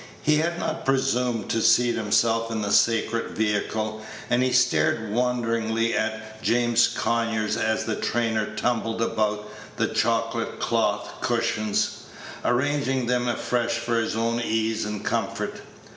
He had not presumed to seat himself in the sacred vehicle, and he stared wonderingly at James Conyers as the trainer tumbled about the chocolate cloth cushions, arranging them afresh for his own ease and comfort.